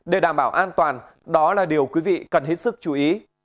để đảm bảo an toàn đó là điều quý vị cần hết sức chú ý